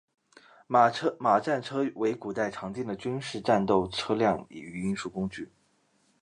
马战车为古代常见的军事战斗车辆与运输工具。